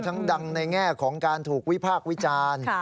ดังในแง่ของการถูกวิพากษ์วิจารณ์